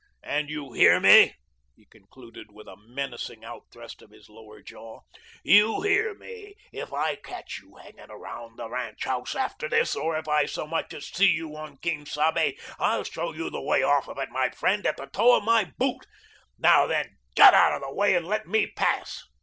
And, you hear me," he concluded, with a menacing outthrust of his lower jaw, "you hear me, if I catch you hanging around the ranch house after this, or if I so much as see you on Quien Sabe, I'll show you the way off of it, my friend, at the toe of my boot. Now, then, get out of the way and let me pass."